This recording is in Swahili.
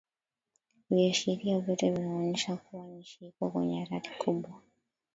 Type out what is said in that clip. Viashiria vyote vinaonyesha kuwa nchi iko kwenye hatari kubwa